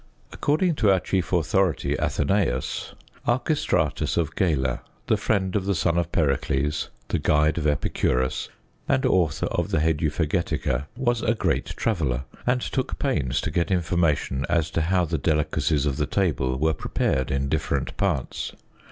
According to our chief authority Athenaeus, Archestratus of Gela, the friend of the son of Pericles, the guide of Epicurus, and author of the Heduphagetica, was a great traveller, and took pains to get information as to how the delicacies of the table were prepared in different parts.